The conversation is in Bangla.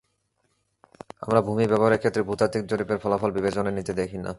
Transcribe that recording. আমরা ভূমি ব্যবহারের ক্ষেত্রে ভূতাত্ত্বিক জরিপের ফলাফল বিবেচনায় নিতে দেখি না।